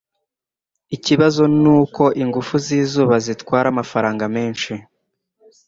Ikibazo nuko ingufu zizuba zitwara amafaranga menshi.